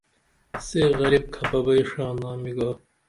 سے غریب کھپہ بئی ڜانامی گا